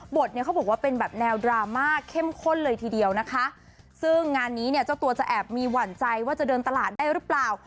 เนี่ยเขาบอกว่าเป็นแบบแนวดราม่าเข้มข้นเลยทีเดียวนะคะซึ่งงานนี้เนี่ยเจ้าตัวจะแอบมีหวั่นใจว่าจะเดินตลาดได้หรือเปล่า